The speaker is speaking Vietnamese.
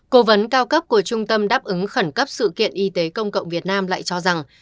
cố vấn cao cấp của trung tâm đáp ứng khẩn cấp sự kiện y tế công cộng việt nam lại cho rằng